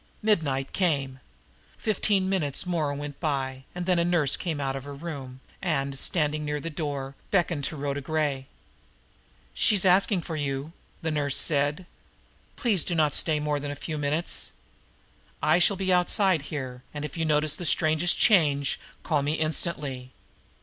Midnight came. Fifteen minutes more went by, and then a nurse came out of the room, and, standing by the door, beckoned to Rhoda Gray. "She is asking for you," the nurse said. "Please do not stay more than a few minutes. I shall be outside here, and if you notice the slightest change, call me instantly."